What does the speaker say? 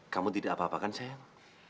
kamu tidak apa apa kan sayang